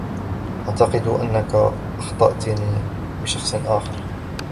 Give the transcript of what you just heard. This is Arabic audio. أعتقد أنك أخطأتني بشخص آخر.